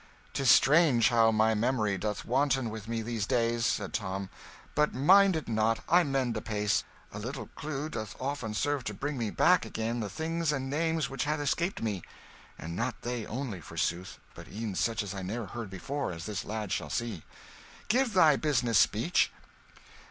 "'Tis strange how my memory doth wanton with me these days," said Tom. "But mind it not I mend apace a little clue doth often serve to bring me back again the things and names which had escaped me. (And not they, only, forsooth, but e'en such as I ne'er heard before as this lad shall see.) Give thy business speech."